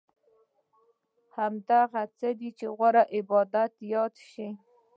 همدا هغه څه دي چې غوره عبادت یاد شوی.